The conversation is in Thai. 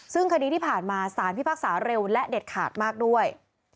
ซึ่งคดีที่ผ่านมาสารพิพากษาเร็วและเด็ดขาดมากด้วย